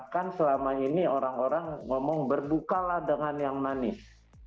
kan selama ini orang orang ngomong berbukalah dengan yang manis